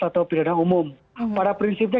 atau pidana umum pada prinsipnya